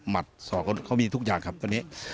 สอกเขามีทุกอย่างครับตอนนี้